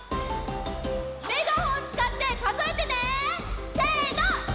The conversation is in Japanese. メガホンつかってかぞえてね！